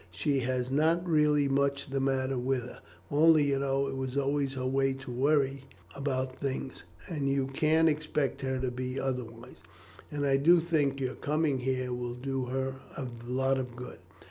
She has not really much the matter with her; only you know it was always her way to worrit about things, and you can't expect her to be otherwise, and I do think your coming here will do her a lot of good."